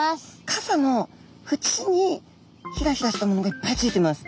傘のふちにひらひらしたものがいっぱいついてます。